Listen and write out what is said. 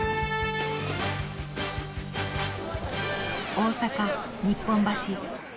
大阪日本橋。